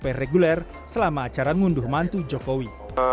ini adalah kemungkinan yang tidak reguler selama acara ngunduh mantu jokowi